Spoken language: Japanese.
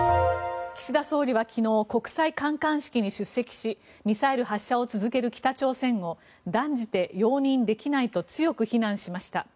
岸田総理は昨日、国際観艦式に出席しミサイル発射を続ける北朝鮮を断じて容認できないと強く非難しました。